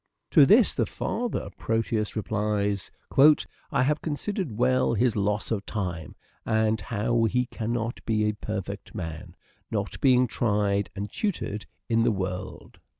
To this the father of Proteus replies :" I have considered well his loss of time, And how he cannot be a perfect man, Not being tried and tutor 'd in the world."